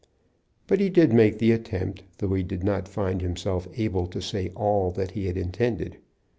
But he did make the attempt, though he did not find himself able to say all that he had intended.